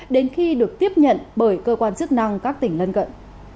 đến khi được tiếp nhận bởi cơ quan chức năng các tỉnh lân cận